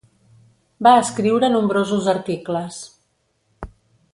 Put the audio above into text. Va escriure nombrosos articles.